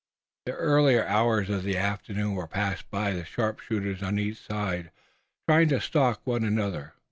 The earlier hours of the afternoon were passed by the sharpshooters on either side trying to stalk one another.